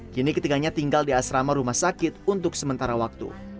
kini ketiganya tinggal di asrama rumah sakit untuk sementara waktu